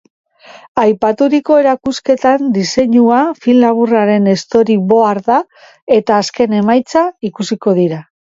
Aipaturiko erakusketan diseinua, film laburraren story-boarda eta azken emaitza ikusiko dira.